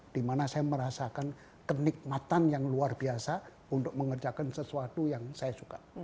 dimana saya merasakan kenikmatan yang luar biasa untuk mengerjakan sesuatu yang saya suka